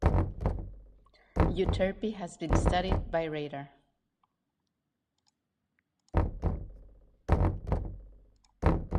Euterpe has been studied by radar.